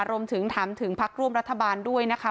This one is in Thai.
รวมถึงถามถึงพักร่วมรัฐบาลด้วยนะคะ